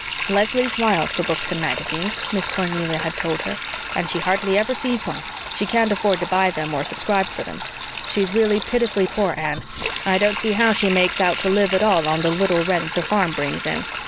"Leslie's wild for books and magazines," Miss Cornelia had told her, "and she hardly ever sees one. She can't afford to buy them or subscribe for them. She's really pitifully poor, Anne. I don't see how she makes out to live at all on the little rent the farm brings in.